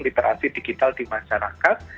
literasi digital di masyarakat